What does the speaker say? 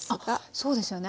そうですよね。